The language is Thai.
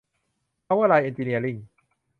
เพาเวอร์ไลน์ เอ็นจิเนียริ่ง